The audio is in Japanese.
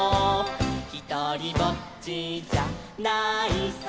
「ひとりぼっちじゃないさ」